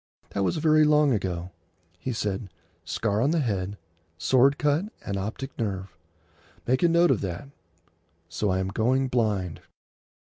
That was very long ago. He said, "Scar on the head,—sword cut and optic nerve." Make a note of that. So I am going blind.